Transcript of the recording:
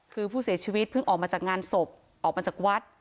คือผู้เสียชีวิตเพิ่งออกมาจากงานศพออกมาจากวัด